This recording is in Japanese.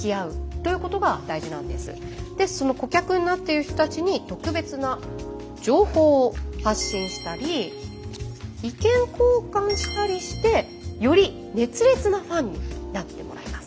でその顧客になっている人たちに特別な情報を発信したり意見交換したりしてより熱烈なファンになってもらいます。